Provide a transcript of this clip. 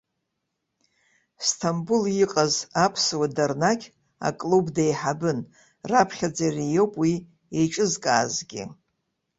Сҭамбул иҟаз аԥсуа дарнақь аклуб деиҳабын, раԥхьаӡа иара иоуп уи еиҿызкаазгьы.